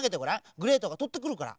グレートがとってくるから。